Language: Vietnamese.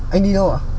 anh đi đâu ạ